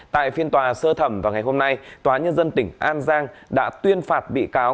tại phiên tòa sơ thẩm vào ngày hôm nay tòa nhân dân tỉnh an giang đã tuyên phạt bị cáo